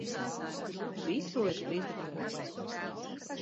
Visu liek trīslitru burkā.